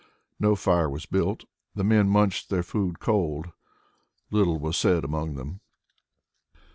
No fire was built. The men munched their food cold. Little was said among them.